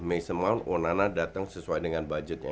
mason mount onana datang sesuai dengan budgetnya